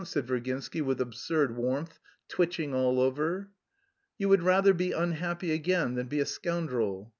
said Virginsky with absurd warmth, twitching all over. "You would rather be unhappy again than be a scoundrel?"